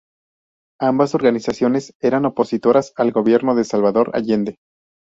Ambas organizaciones eran opositoras al gobierno de Salvador Allende.